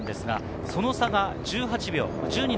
その差は１８秒。